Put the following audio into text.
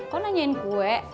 kok nanyain kue